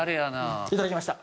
いただきました。